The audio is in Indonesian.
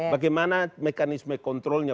bagaimana mekanisme kontrolnya